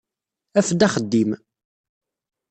Af-d axeddim.